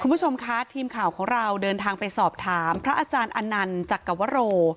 คุณผู้ชมคะทีมข่าวของเราเดินทางไปสอบถามพระอาจารย์อนันต์จักรวโร